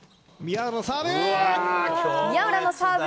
宮浦のサーブ。